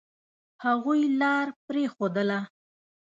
هغوی لار پرېښودله.